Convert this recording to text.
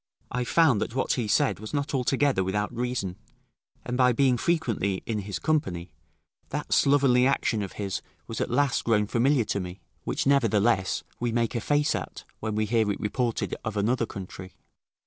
I found that what he said was not altogether without reason, and by being frequently in his company, that slovenly action of his was at last grown familiar to me; which nevertheless we make a face at, when we hear it reported of another country.